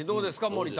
森田。